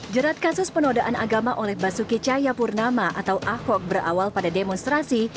jerat kasus penodaan agama oleh basuki cahayapurnama atau ahok berawal pada demonstrasi